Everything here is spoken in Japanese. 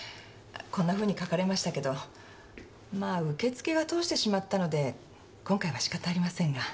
こんなふうに書かれましたけどまあ受付が通してしまったので今回はしかたありませんが。